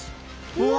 うわ！